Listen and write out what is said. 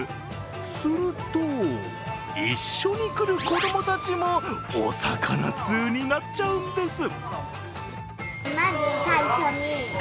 すると、一緒に来る子供たちもお魚通になっちゃうんです。